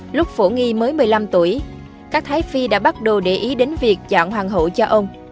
năm một nghìn chín trăm hai mươi lúc phổ nghi mới một mươi năm tuổi các thái phi đã bắt đầu để ý đến việc chọn hoàng hộ cho ông